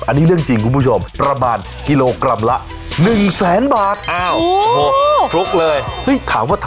อันนี้เรื่องจริงคุณผู้ชมประมาณกิโลกรัมละ๑แสนบาท